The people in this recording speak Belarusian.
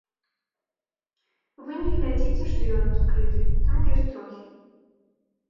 Вы не глядзіце, што ён адкрыты, там ёсць трохі.